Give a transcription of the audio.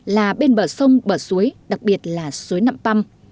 là bên bờ sông bờ suối đặc biệt là suối nạm păm